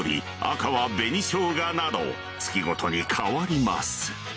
赤は紅しょうがなど月ごとに変わります